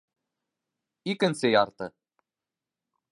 Икенсе ярты